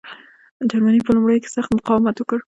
جرمني په لومړیو کې سخت مقاومت وکړ.